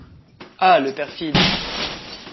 Ah le perfide !